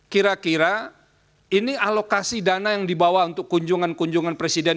kira kira ini alokasi dana yang dibawa untuk kunjungan kunjungan presiden